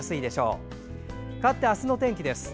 かわって明日の天気です。